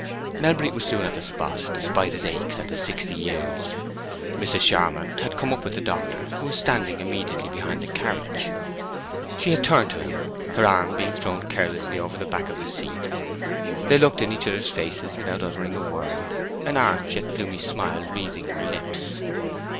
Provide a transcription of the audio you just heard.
Melbury was soon at the spot, despite his aches and his sixty years. Mrs. Charmond had come up with the doctor, who was standing immediately behind the carriage. She had turned to him, her arm being thrown carelessly over the back of the seat. They looked in each other's faces without uttering a word, an arch yet gloomy smile wreathing her lips.